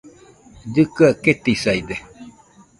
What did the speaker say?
Llikɨaɨ ketisaide